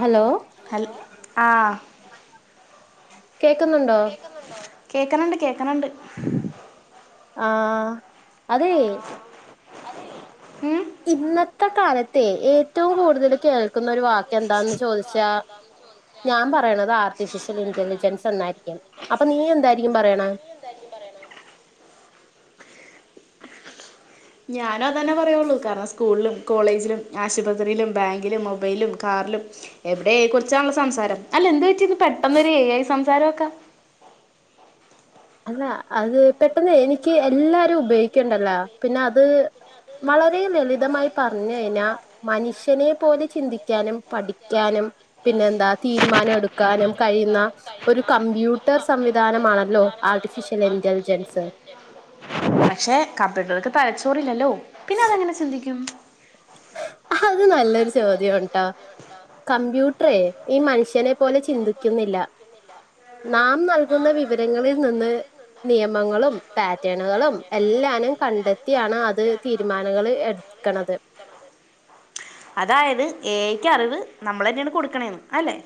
Hello ഉ കേക്കുന്നുണ്ടോ കേക്കണണ്ട് കേക്കണണ്ട് ആഹ് അതെ ഇന്നത്തെ കാലത്തെ ഏറ്റവും കൂടുതല് കേൾക്കുന്ന ഒരു വാക്ക് എന്താന്ന് ചോദിച്ചാ ഞാൻ പറയണത് ആർട്ടിഫിഷ്യൽ ഇന്റലിജൻസ് എന്നായിരിക്കും അപ്പൊ നീ എന്തായിരിക്കും പറയണേ ഹുഹേ ഞാനും അതന്നെ പറയുള്ളൂ കാരണം സ്കൂളിലും കോളേജിലും ആശുപത്രിയിലും ബാങ്കിലും മൊബൈലും കാറിലും എവിടെയും കുറിച്ചാണുള്ള സംസാരം അല്ല എന്തു പറ്റി ഇന്ന് പെട്ടെന്നരു എ ഐ സംസാരൊക്കാ അല്ല അത് പെട്ടെന്ന് എനിക്ക് എല്ലാരും ഉപയോഗിക്കണ്ടല്ലോ പിന്നെ അത് വളരെ ലളിതമായി പറഞ്ഞു കഴിഞ്ഞാ മനുഷ്യനെ പോലെ ചിന്തിക്കാനും പഠിക്കാനും പിന്നെ എന്താ തീരുമാനം എടുക്കാനും കഴിയുന്ന ഒരു കമ്പ്യൂട്ടർ സംവിധാനമാണല്ലോ ആർട്ടിഫിഷ്യൽ ഇന്റലിജെൻസ് പക്ഷെ കംമ്പ്യൂട്ടറുകൾക്ക് തലച്ചോറില്ലല്ലോ പിന്നെ അതെങ്ങനെ ചിന്തിക്കും അത് നല്ലൊരു ചോദ്യം ആണുട്ടോ കംമ്പ്യൂട്ടറെ ഈ മനുഷ്യനെ പോലെ ചിന്തിക്കുന്നില്ല നാം നൽകുന്ന വിവരങ്ങളിൽ നിന്ന് നിയമങ്ങളും പാറ്റേണുകളും എല്ലാനും കണ്ടെത്തിയാണ് അത് തീരുമാനങ്ങൾ എടു ക്കണത് അതായത് ഏഐക്ക് അറിവ് നമ്മൾ തന്നെയാണ് കൊടുക്കണേന്ന് അല്ലെ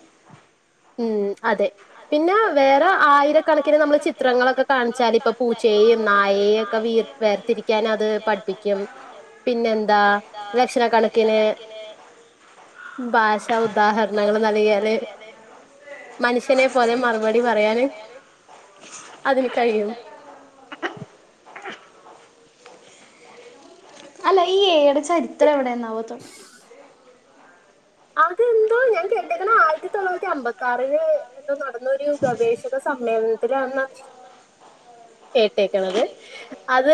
ഉം അതെ പിന്നെ വേറെ ആയിരക്കണക്കിന് നമ്മള് ചിത്രങ്ങളൊക്കെ കാണിച്ചാൽ ഇപ്പൊ പൂച്ചയെയും നായെയും ഒക്കെ വേർതിരിക്കൻ അത് പഠിപ്പിക്കും പിന്നെന്താ ലക്ഷണ കണക്കിന് ഭാഷ ഉദാഹരണങ്ങള് നൽകിയാല് മനുഷ്യനെ പോലെ മറുപടി പറയാന് അതിന് കഴിയും ഈ ഏഐടെ ചരിത്രം എവിടെന്നാ [unintelligible] അതെന്തോ ഞാൻ കേട്ടേക്കണ ആയിരത്തി തൊള്ളായിരത്തി അമ്പത്തി ആറില് എന്തോ നടന്ന ഒരു ഗവേഷക സമ്മേളനത്തിലാണ്ന്നാ കേട്ടെക്കണത് അത്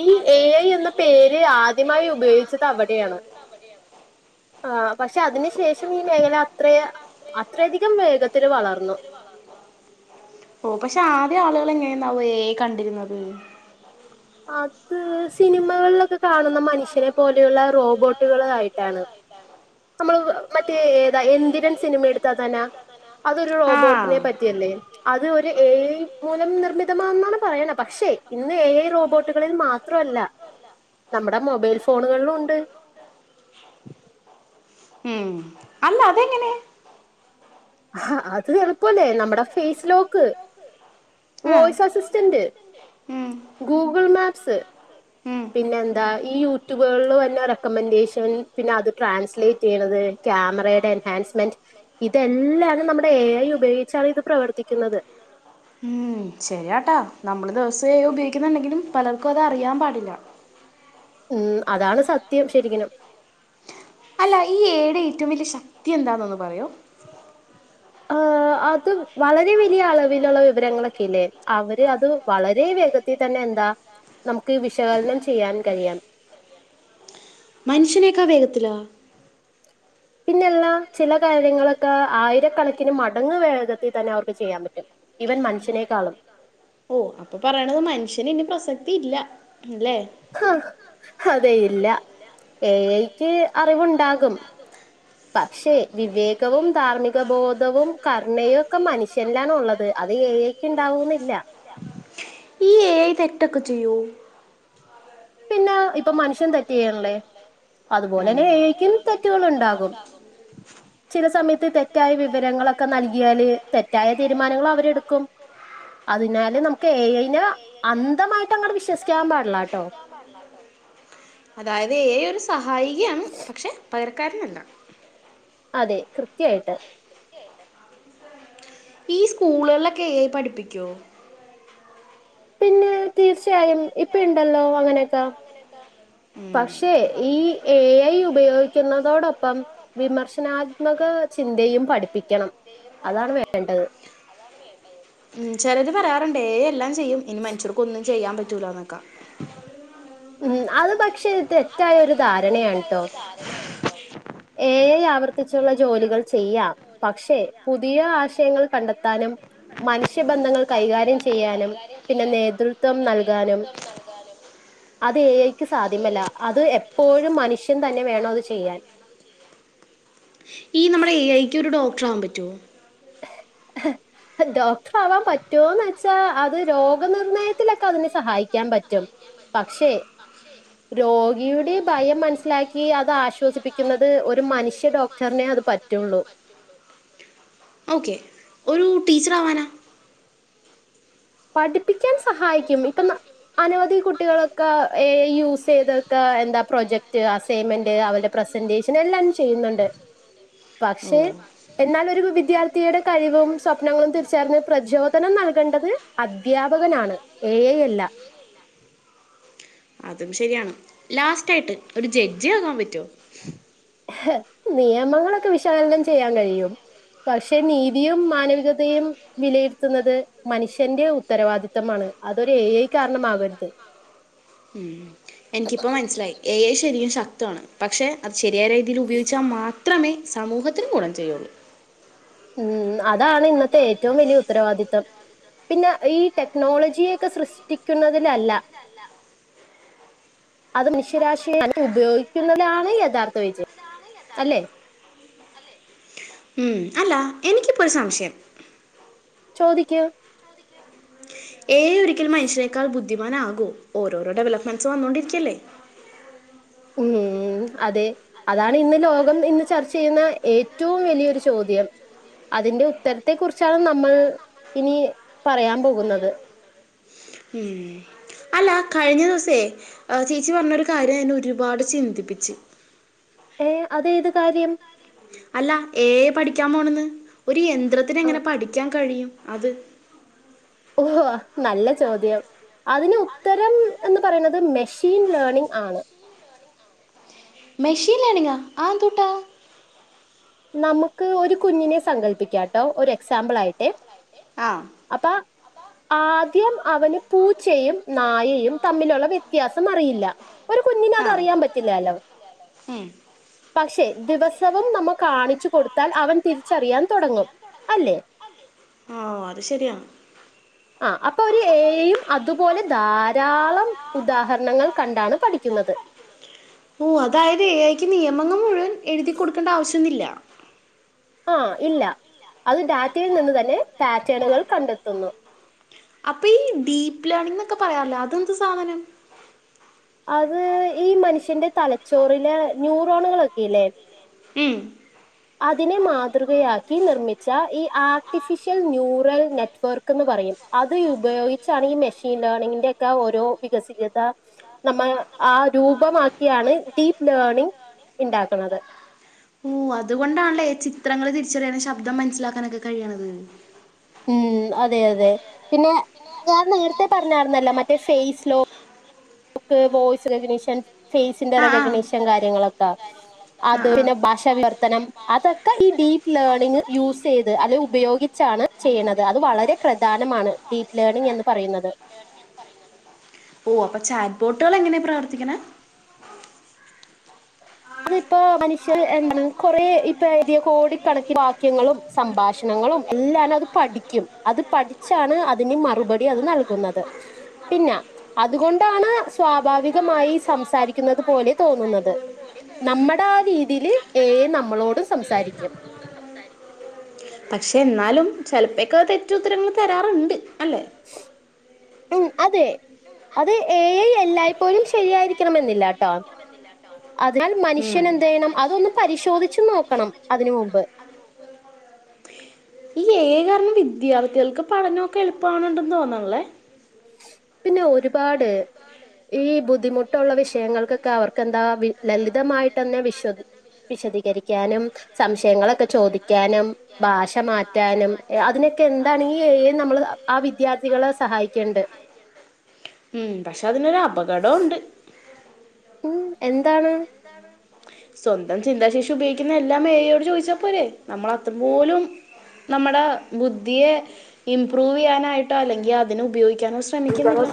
ഈ എ ഐ എന്ന പേര് ആദ്യമായി ഉപയോഗിച്ചത് അവിട് എ ആണ് ആ പക്ഷെ ക്ഷെ അതിന് ശേഷം ഈ മേഖല അത്ര അത്രയധികം വേഗത്തില് വളർന്നു. ഓ പക്ഷെ ആദ്യം ആളുകൾ എങ്ങനെന്നാവോ എ ഐ കണ്ടിരുന്നത് അത് സിനിമകളിലൊക്കെ കാണുന്ന മനുഷ്യനെ പോലെയുള്ള റോബോട്ടുകള് ആയിട്ടാണ് നമ്മള് മറ്റേ ഏതാ എന്തിരൻ സിനിമ എടുത്താ തന്നാ അതൊരു റോബോട്ടിനെ പറ്റിയല്ലേ അത് ഒരു എ ഐ മൂലം നിർമ്മിതമാെന്നാണ് പറയണ പക്ഷേ ഇന്ന് എ ഐ റോ റോബോട്ടുകളിൽ മാത്രല്ല നമ്മുടെ മൊബൈൽ ഫോണുകളിലും ഉണ്ട് [unintelligible] അതെങ്ങന ആഹ് അത് എളുപ്പല്ലേ നമ്മുടെ face lock voice assistant Google Maps പിന്നെ എന്താ ഈ യൂട്യൂബ ക്യാമറയുടെ എൻഹാൻസ്മെന്റ് ഇതെല്ലരു നമ്മുടെ എ ഐ ഉപയോഗിച്ചാണ് ഇത് പ്രവർത്തിക്കുന്നത് ഉം ഉം ശരിയാട്ടാ നമ്മള് ദിവസേ ഉപയോഗിക്കുന്നുണ്ടെങ്കിലും പലർക്കും അത് അറിയാൻ പാടില്ല ഉം അതാണ് സത്യം ശരിക്കനും അല്ല ഈ എ ഐടെ ഏറ്റവും വലിയ ശക്തി എന്താന്ന ഒന്നും പറയോ ആ അത് വളരെ വലിയ അളവിലുള്ള വിവരങ്ങളൊക്കെല്ലേ അവര് അത് വളരെ വേഗത്തിൽ തന്നെ എന്താ നമുക്ക് വിശകലനം ചെയ്യാൻ കഴിയാം മനുഷ്യനേക്കാ വേഗത്തിലാ പിന്നല്ല ചില കാര്യങ്ങളൊക്കെ ആയിരക്കണക്കിന് മടങ്ങ് വേഗത്തിൽ തന്നെ അവർക്ക് ചെയ്യാൻ പറ്റും ഇവന് മനുഷ്യിനേക്കാളും ഓ അപ്പൊ പറയണത് മനുഷ്യന് ഇന്നി പ്രസക്തി ഇല്ല അല്ലേ ആ അതെയില്ല എ ഐ ക്ക് അറിവുണ്ടാകും. പക്ഷേ വിവേകവും ധാർമ്മിക ബോധവും കരുണയയും ഒക്കെ മനുഷ്യൻല്ലാണള്ളത്. അത് എ ഐ ഉണ്ടാവുന്നില്ല എ ഐ തെറ്റക്ക ചെയ്യൂ പിന്നെ ഇപ്പൊ മനുഷ്യൻ തെറ്റ് ചെയ്യണല്ലേ അതുപോലെന്നെ എ ഐ ക്കും തെറ്റുകളുണ്ടാകും. ചില സമയത്ത് തെറ്റായ വിവരങ്ങളൊക്കെ നൽകിയാല് തെറ്റായ തീരുമാനങ്ങൾ അവരെടുക്കും അതിനല് നമുക്ക് എ ഐ നെ അന്ന്തമായിട്ട് അങ്ങന വിശ്വസിക്കാൻ പാടില്ല ട്ടോ. അതായത് എ ഐ ഒരു സഹായികയാണ് പക്ഷെ പകരക്കാരനല്ല അതെ കൃത്യായിട്ട് ഈ സ്കൂളുകളിലൊക്കെ എ ഐ പഠിപ്പിക്കോ പിന്നെ തീർച്ചയായും ഇപ്പ ഇണ്ടല്ലോ അങ്ങനെയൊക്കെ പക്ഷേ ഈ എ ഐ ഉപയോഗിക്കുന്നതോടൊപ്പം വിമർശനാത്മക ചി ന്തയും പഠിപ്പിക്കണം അതാണ് വേണ്ടത് ഉം ചെലര് പറയാറുണ്ടേ എ ഐ എല്ലാം ചെയ്യും ഇനി മനുഷൂർക്ക് ഒന്നും ചെയ്യാൻ പറ്റൂലോന്നക്കാ ഉം അത് പക്ഷെ തെറ്റായ ഒരു ധാരണയാണ്ട്ടോ എ ഐ ആവർത്തിച്ചുള്ള ജോലികൾ ചെയ്യാം പക്ഷെ പുതിയ ആശയങ്ങൾ കണ്ടെത്താനും മനുഷ്യബന്ധങ്ങൾ കൈകാര്യം ചെയ്യാനും പിന്നെ നേതൃത്വം നൽകാനും അത് എ ഐക്ക് സാധ്യമല്ല അത് എപ്പോഴും മനുഷ്യൻ തന്നെ വേണോ അത് ചെയ്യാൻ ഈ നമ്മുടെ എ ഐക്ക് ഒരു ഡോക്ടർ ആവാൻ പറ്റുമോ [unintelligible] ആ ഡോക്ടറാവാൻ പറ്റുവോന്ന് വെച്ചാ അത് രോഗനിർണയത്തിലൊക്കെ അതിനെ സഹായിക്കാൻ പറ്റും പക്ഷേ രോഗിയുടെ ബയം മനസ്സിലാക്കി അത് ആശ്വസിപ്പിക്കുന്നത് ഒരു മനുഷ്യ ഡോക്ടറിനെ അത് പറ്റുള്ളൂ ഓക്കേ ഒരു ടീച്ചറാവാനാ പഠിപ്പിക്കാൻ സഹായിക്കും ഇപ്പ ന അനവധി കുട്ടികളൊക്കെ ഏ യൂസ് ചെയ്തതൊക്കെ എന്താ പ്രോജക്ട് അസൈൻമെന്റ് അവന്റെ പ്രസന്റേഷൻ എല്ലാം ചെയ്യുന്നുണ്ട് പക്ഷെ എന്നാൽ ഒരു വിദ്യാർത്ഥിയുടെ കഴിവും സ്വപ്നങ്ങളും തിരിച്ചറിഞ്ഞ് പ്രചോദനം നൽകണ്ടത് അദ്ധ്യാപകനാണ് ഏ ഐ അല്ല അതും ശരിയാണ് ലാസ്റ്റ് ആയിട്ട് ഒരു ജഡ്ജി ആവാൻ പറ്റുവോ ഹ് നിയമങ്ങളൊക്കെ വിശകലനം ചെയ്യാൻ കഴിയും പക്ഷേ നീതിയും മാനവികതയും വിലയിരുത്തുന്നത് മനുഷ്യന്റെ ഉത്തരവാദിത്തമാണ് അതൊര് എ ഐ കാരണമാവരുത് ഉം എനിക്കിപ്പോ മനസ്സിലായി ഏ ഐ ശരിക്കും ശക്തവാണ് പക്ഷേ അത് ശരിയായ രീതിയിൽ ഉപയോഗിച്ചാ മാത്രമേ സമൂഹത്തിന് ഗുണം ചെയ്യുള്ളൂ ഉം അതാണ് ഇന്നത്തെ ഏറ്റവും വലിയ ഉത്തരവാദിത്തം പിന്നെ ഈ ടെക്നോളജിയക്കെ സൃഷ്ടിക്കുന്നതിലല്ല അത് നിശരാശിയെ തന്നെ ഉപയോഗിക്കുന്നതിലാണ് യഥാർത്ഥ വിജയം അല്ലേ ഉം അല്ല എനിക്കിപ്പോ ഒരു സംശയം ചോദിക്കൂ ഏ ഐ ഒരിക്കൽ മനുഷ്യനേക്കാൾ ബുദ്ധിമാനാകുവോ ഓരോരോ ഡെവലപ്മെന്റ്സ് വന്നുകൊണ്ടിരിക്കല്ലേ ഉം ഉം അതെ അതാണ് ഇന്ന് ലോകം ഇന്ന് ചർച്ച ചെയ്യുന്ന ഏറ്റവും വലിയൊരു ചോദ്യം അതിന്റെ ഉത്തരത്തെ കുറിച്ചാണ് നമ്മൾ ഇനി പറയാൻ പോകുന്നത് [unintelligible] ഉം അൽ കഴിഞ്ഞ ദിവസേ ആ ചേച്ചി പറഞ്ഞൊരു കാര്യം ആ ഒരുപാട് ചിന്തിപ്പിച്ച് ഏ അത് ഏത് കാര്യം അല്ല ഏ ഐ പഠിക്കാൻ പോണന്ന് ഒരു യന്ത്രത്തിന് എങ്ങനെ പഠിക്കാൻ കഴിയും അത് ഓ നല്ല ചോദ്യം അതിന് ഉത്തരം എന്ന് പറയുന്നത് മെഷീൻ ലേണിങ് ആണ് മെഷീൻ ലേണിങ്ങാ അതെന്തൂട്ടാ നമുക്ക് ഒരു കുഞ്ഞിനെ സങ്കല്പപ്പിക്കാം ട്ടോ ഒരു എക്സാമ്പിൾ ആയിട്ട് അപ്പൊ ആദ്യം അവന് പൂച്ചയും നായയും തമ്മിലുള്ള വ്യത്യാസം അറിയില്ല ഒരു കുഞ്ഞിനതറിയാൻ പറ്റില്ലല്ലോ ഏ പക്ഷെ ദിവസവും നമു കാണിച്ചു കൊടുത്താൽ അവൻ തിരിച്ചറിയാൻ തുടങ്ങും അല്ലേ ഓ അത് ശരിയാണ് ആ അപ്പോ ഒര് ഏ ഐയും അതുപോലെ ധാരാളം ഉദാഹരണങ്ങൾ കണ്ടാണ് പഠിക്കുന്നത് ഉം അതെ ഓ അതായത് ഏ ഐക്ക് നിയമങ്ങൾ മുഴുവൻ എഴുതി കൊടുക്കണ്ട ആവശ്യം ഇന്നില്ല ആ ഇല്ല അത് ഡാറ്റയിൽ നിന്ന് തന്നെ പാറ്റേണുകൾ കണ്ടെത്തുന്നു അപ്പൊ ഈ ഡീപ് ലേണിംഗ് നൊക്കെ പറയാറില്ലോ അതെന്ത് സാധനം അത് ഈ മനുഷ്യന്റെ തലച്ചോറിലെ ന്യൂറോണുകളൊക്കെ ഇല്ലേ അതിനെ മാതൃകയാക്കി നിർമ്മിച്ച ഈ ആർട്ടിഫിഷ്യൽ ന്യൂറൽ നെറ്റ്വർക്കെന്ന് പ പറയും അത് ഉപയോഗിച്ചാണീ മെഷേൻ ലേണിങ്ങിൻ്റെക്കെ ഓരോ വികസികത നമ്മ ആ രൂപമാക്കിയാണ് ഡീപ്പ് ലേണിംഗ് ഇണ്ടാക്ക്ണത് ഓ അതുകൊണ്ടാണല്ലേ ഈ ചിത്രങ്ങള് തിരിച്ചറിയണ ശബ്ദം മനസ്സിലാക്കാനൊക്കെ കഴിയണത് ഉം അതെ അതെ പിന്നെ ഞാൻ നേരത്തെ പറഞ്ഞാര്ന്നല്ലേ മറ്റേ ഫെയ്സ് ലോ നമുക്ക് വോയിസ് റെക്കഗ്നീഷൻ ഫേസിന്റെ റെക്കഗ്നീഷൻ കാര്യങ്ങളൊക്കെ അത് പിന്നെ ഭാഷ വിവർത്തനം അതൊക്കെ ഈ ഡീപ് ലേണിങ് യൂസെയ്ത് അല്ലെ ഉപയോഗിച്ച ട്ടാണ് ചെയ്യണത് അത് വളരെ പ്രധാനമാണ് ഡീപ് ലേണിംഗ് എന്ന് പറയുന്നത് [unintelligible] ഓ അപ്പൊ ചാറ്റ്ബോട്ടുകള് എങ്ങനെയാ പ്രവർത്തിക്കണേ? അതിപ്പോ മനുഷ്യർ എന്താണ് കൊറേ ഇപ്പം എഴുതിയ കോടിക്കണക്കി വാക്യങ്ങളും സംഭാഷണങ്ങ് ങ്ങളും എല്ലാം ആനത് പഠിക്കും, അത് പഠിച്ചാണ് അതിന് മറുപടി അത് നൽകുന്നത്, പി പിന്ന അതുകൊണ്ടാണ് സ്വാഭാവികമായി സംസാരിക്കുന്നത് പോലെ തോന്നുന്നത്. നമ്മടെ ആ രീതിയില് എഐ നമ്മളോട് സംസാരിക്കും പക്ഷെ എന്നാലും ചെലപ്പേക്കെ തെറ്റുത്തരങ്ങള് തരാറ്ണ്ട് അല്ലെ? ഉം അതെ അത് എഐ എല്ലായ്പോഴും ശരിയായിരിക്കണമെന്നില്ലാട്ടോ. അതിനാൽ മനുഷ്യൻ എന്തെയ്യണം അതൊന്ന് പരിശോധിച്ച് നോക്കണം, അതിന് മുമ്പ്. എഐ കാരണം വിദ്യാർത്ഥികൾക്ക് പഠനൊക്കെ എളുപ്പാവണുണ്ടെന്ന് തോന്നണല്ലേ. പിന്നെ ഒരുപാട് ഈ ബുദ്ധിമുട്ടുള്ള വിഷയങ്ങൾക്കൊക്കെ അവർക്കെന്താ ലളിതമായിട്ടന്നെ വിശ്വദി വിശദീകരിക്കാനും സംശയങ്ങളൊക്കെ ചോദിക്കാനും ഭാഷ മാറ്റാനും ഏ അതിന് ക്കെ എന്താണീ ഈ എഐ നമ്മള് ആ വിദ്യാർത്ഥികളെ സഹായിക്കെണ്ട്. ഉം പക്ഷെ അതിനൊരു അപകടം ഉണ്ട് ഉം എന്താണ്? സ്വന്തം ചിന്താശേഷി ഉപയോഗിക്കുന്ന എല്ലാം എഐയോട് ചോയിച്ചാ പോരേ നമ്മള് അത് പോലും നമ്മടെ ബുദ്ധിയെ ഇംമ്പ്രൂവ് ചെയ്യാനായിട്ടോ അല്ലെങ്കി അതിന് ഉപയോഗി ക്കാനും ശ്രമിക്കുന്നില്ല.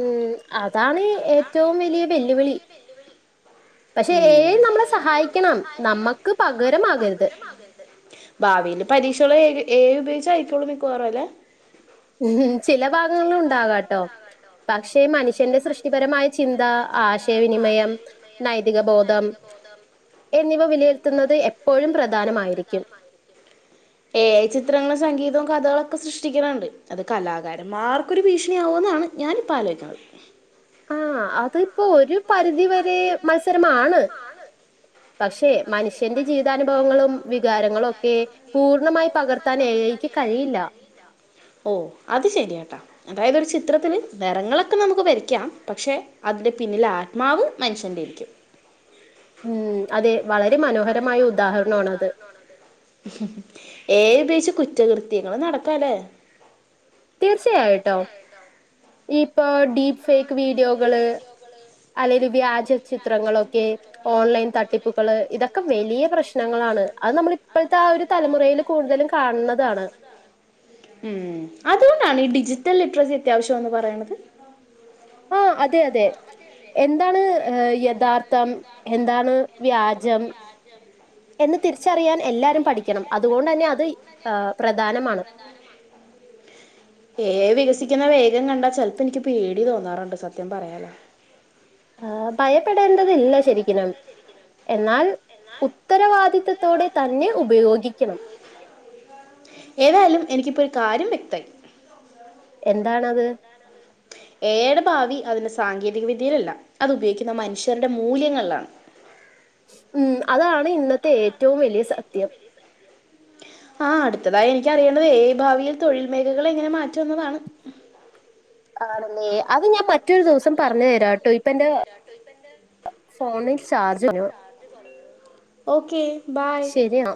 ഉം അതാണ് ഏറ്റവും വലിയ വെല്ലുവിളി. പക്ഷെ എഐ നമ്മളെ സഹായിക്കണം, നമ്മക്ക് പകരമാകരുത് ഭാവിയില് പരീക്ഷകള് എഐ എഐ ഉപയോഗിച്ച് അയിക്കോളൂം മിക്കവാറും അല്ലേ ചില ഭാഗങ്ങളും ഉണ്ടാകാട്ടോ. പക്ഷെ മനുഷ്യന്റെ സൃഷ്ടിപരമായ ചിന്ത ആശയവിനിമയം നൈതിക ബോധം എന്നിവ വിലയിരുത്തുന്നത് എപ്പോഴും പ്രധാനമായിരിക്കും എഐ ചിത്രങ്ങളും സംഗീതവും കഥകളൊക്കെ സൃഷ്ടിക്കിണിണ്ട് അത് കലാകാരന്മാർക്കൊരു ഭീഷണിയാവോന്ന് ന്നാണ് ഞാനിപ്പൊ ആലോയിക്കണത്. ആഹ് അതിപ്പോ ഒരു പരിധി വരെ മത്സരമാണ് പക്ഷെ മനുഷ്യന്റെ ജീവിതാനുഭവങ്ങളും വികാരങ്ങളും ഒക്കെ പൂർണ്ണമായി പകർത്താനേ എഐക്ക് കഴിയില്ല ഓ അത് ശരിയാട്ടാ അതായത് ഒരു ചിത്രത്തില് നിറങ്ങളൊക്കെ നമുക്ക് വരക്കാം, പക്ഷെ അത് അതിന്റെ പിന്നിലെ ആത്മാവ് മനുഷ്യന്റെ ആയിരിക്കും. ഉം അതെ വളരെ മനോഹരമായ ഉദാഹരണമാണിത് എഐ ഉപയോഗിച്ച് കുറ്റകൃത്യങ്ങള് നടക്കാലേ? തീർച്ചയായിട്ടും ഈപ്പോ ഡീപ് ഫേക്ക് വീഡിയോകള് അല്ലേല് വ്യാജ ചിത്രങ്ങളൊക്കെ ഓൺലൈൻ തട്ടിപ്പുകള് ഇതൊക്കെ വലിയ പ്രശ്നങ്ങള ആണ് അത് നമ്മള് ഇപ്പഴ്ത്ത ആ ഒരു തലമുറയില് കൂടുതലും കാണണതാണ്. ഉം അതുകൊണ്ടാണ് ഈ ഡിജിറ്റൽ ലിറ്റ്റെസി അത്യാവശ്യന്ന് പറയണത്. ആഹ് അതെ അതെ എന്താണ് ഏഹ് യഥാർത്ഥം എന്താണ് വ്യാജം എന്ന് തിരിച്ചറിയാനൻ എല്ലാരും പഠിക്കണം, അതുകൊണ്ട് തന്നെ അത് ഏഹ് പ്രധാനമാണ് ഹ്ഹ എഐ വികസിക്കുന്ന വേഗം കണ്ടാ ചെലപ്പോ എനിക്ക് പേടി തോന്നാറണ്ട് സത്യം പറയാലോ. ആ ഭയപ്പെടേണ്ടതില്ല ശരിക്കനും എന്നാൽ ഉത്തരവാദിത്വത്തോടെ തന്നെ ഉപയോഗിക്കണം ഹ്ഹ ഏതായാലും എനിക്കിപ്പോ ഒരു കാര്യം വ്യക്തായി എന്താണത്? ഏ ഐടെ ഭാവി അതിന്റെ സാങ്കേതിക വിദ്യയിലല്ല. അത് ഉപയോഗിക്കുന്ന മനുഷ്യരുടെ മൂല്യങ്ങളിലാണ്. ഉം അതാണ് ഇന്നത്തെ ഏറ്റവും വല്യ സത്യം ആഹ് അടുത്തതായി എനിക്കറിയേണ്ടത് ഏ ഐ ഭാവിയിൽ തൊഴിൽ മേഖലകൾ എങ്ങനെ മാറ്റുമെന്നതാണ്. ആണല്ലേ അത് ഞാൻ മറ്റൊരു ദിവസം പറഞ്ഞു തരാട്ടോ ഇപ്പന്റെ ഫോണിൽ ചാർജ് [unintelligible] ഓക്കെ ശരി ന്നാ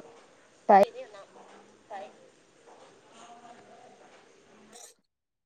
ബൈ